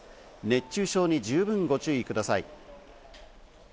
熱中症に十分ご注意ください。